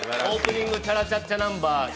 オープニングチャラチャッチャナンバー